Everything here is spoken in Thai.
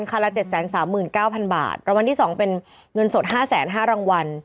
คันละ๗๓๙๐๐บาทรางวัลที่๒เป็นเงินสด๕๕๐๐รางวัล